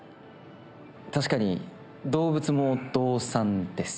確かに動物も動産です。